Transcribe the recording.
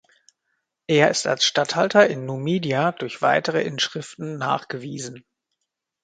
Er ist als Statthalter in Numidia durch weitere Inschriften nachgewiesen.